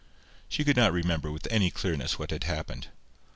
She could not remember with any clearness what had happened.